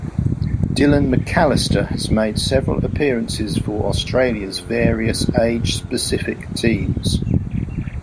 Dylan Macallister has made several appearances for Australia's various age-specific teams.